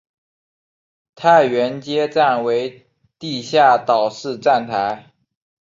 太原街站为地下岛式站台。